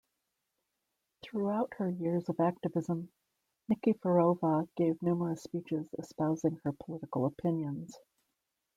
Throughout her years of activism, Nikiforova gave numerous speeches espousing her political opinions.